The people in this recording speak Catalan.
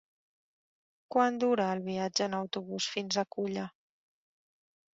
Quant dura el viatge en autobús fins a Culla?